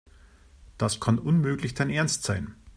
Das kann unmöglich dein Ernst sein.